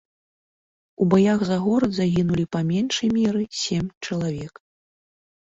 У баях за горад загінулі па меншай меры сем чалавек.